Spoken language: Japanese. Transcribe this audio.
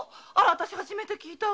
初めて聞いたわ。